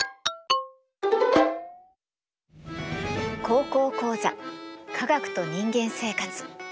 「高校講座科学と人間生活」。